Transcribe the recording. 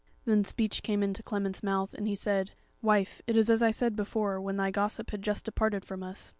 Then speech came into Clement's mouth, and he said: "Wife, it is as I said before, when thy gossip had just departed from us.